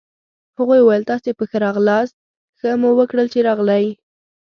هغوی وویل: تاسي په ښه راغلاست، ښه مو وکړل چي راغلئ.